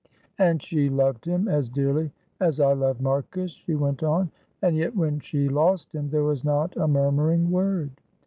"And she loved him as dearly as I love Marcus," she went on. "And yet when she lost him there was not a murmuring word.